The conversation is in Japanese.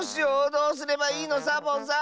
どうすればいいの⁉サボさん。